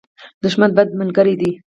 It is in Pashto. دښمن، بد ملګری دی.